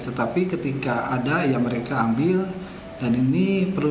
tetapi ketika ada yang mereka ambil dan ini perlu ditekankan bahwa kita bukan membakar kalimat tauhid